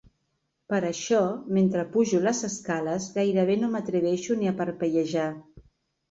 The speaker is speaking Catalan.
Per això mentre pujo les escales gairebé no m'atreveixo ni a parpellejar.